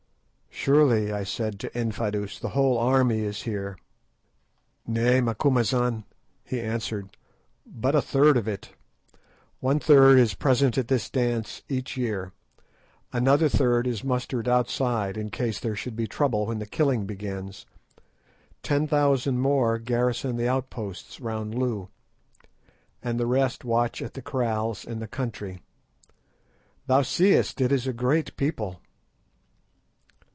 "Surely," I said to Infadoos, "the whole army is here?" "Nay, Macumazahn," he answered, "but a third of it. One third is present at this dance each year, another third is mustered outside in case there should be trouble when the killing begins, ten thousand more garrison the outposts round Loo, and the rest watch at the kraals in the country. Thou seest it is a great people."